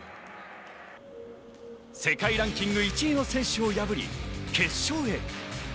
世界ランキング１位の選手を破り、決勝へ。